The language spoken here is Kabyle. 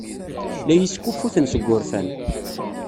La iyi-skuffuten seg wurfan.